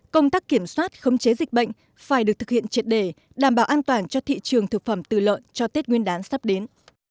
công tác kiểm soát khống chế dịch bệnh phải được thực hiện triệt để đảm bảo an toàn cho thị trường thực phẩm từ lợn cho tết nguyên đán sắp đến